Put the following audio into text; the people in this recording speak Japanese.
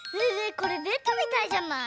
これベッドみたいじゃない？